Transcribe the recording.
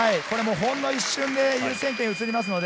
ほんの一瞬で優先権がうつります。